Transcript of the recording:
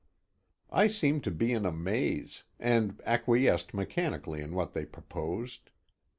I seemed to be in a maze, and acquiesced mechanically in what they proposed.